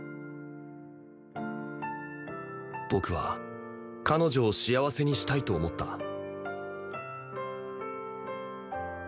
僕は彼女を幸せにしたいと思った